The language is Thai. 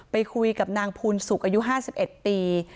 ไปคุยกับนางภูนสุกอายุ๕๑ปี